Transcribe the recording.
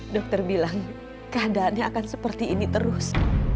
dokter bilang keadaannya akan seperti ini terus